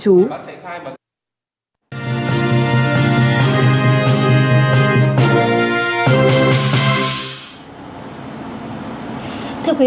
thưa quý vị